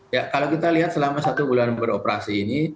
ya kalau kita lihat selama satu bulan beroperasi ini